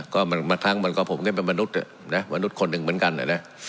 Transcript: ก็บางครั้งผมก็เป็นมนุษย์มนุษย์คนหนึ่งเหมือนกันนะ